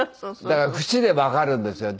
だから節でわかるんですよ